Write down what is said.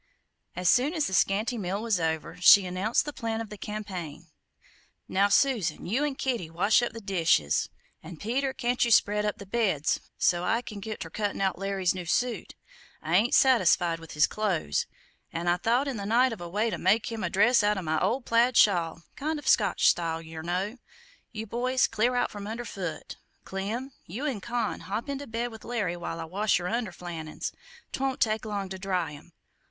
As soon as the scanty meal was over, she announced the plan of the campaign: "Now Susan, you an' Kitty wash up the dishes; an' Peter, can't you spread up the beds, so't I can git ter cuttin' out Larry's new suit? I ain't satisfied with his close, an' I thought in the night of a way to make him a dress out of my old plaid shawl kind o' Scotch style, yer know. You other boys clear out from under foot! Clem, you and Con hop into bed with Larry while I wash yer underflannins; 'twont take long to dry 'em.